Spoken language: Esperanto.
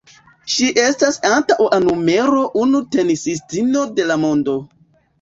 Ŝi estas antaŭa numero unu tenisistino de la mondo.